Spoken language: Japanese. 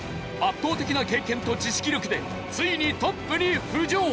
圧倒的な経験と知識力でついにトップに浮上！